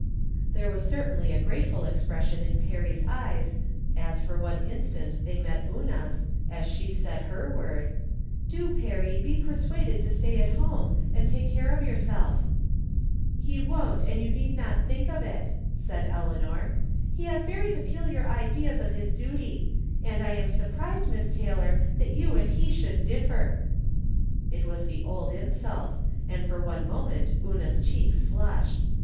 There was certainly a grateful expression in Perry's eyes as for one instant they met Una's, as she added her word :" Do, Perry, be persuaded to stay at home, and take care of yourself." " He won't, and you need not think of it," said 208 I'rom Different Standpoints. Eleanor. " He has very peculiar ideas of his diity ; and I am surprised, Miss Taylor, that you and he should differ," It was the old insult, and for one moment Una's cheeks flushed.